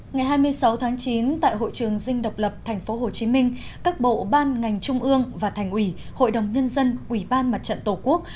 ngày hai mươi sáu tháng chín tại hội trường dinh độc lập tp hcm các bộ ban ngành trung ương và thành ủy hội đồng nhân dân ủy ban mặt trận tổ quốc